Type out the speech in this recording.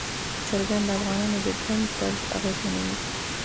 چرګان د افغانانو د ژوند طرز اغېزمنوي.